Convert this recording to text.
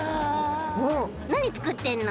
なにつくってんの？